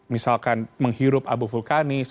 misalkan menghirup abu vulkanis